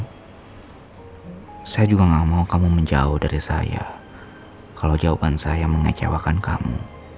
hai saya juga nggak mau kamu menjauh dari saya kalau jawaban saya mengecewakan kamu